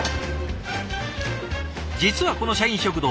実はこの社員食堂